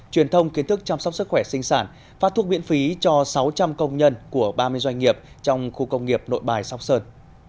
truyền thông kiến thức chăm sóc sức khỏe sinh sản phát thuốc miễn phí cho sáu trăm linh công nhân của ba mươi doanh nghiệp trong khu công nghiệp nội bài sóc sơn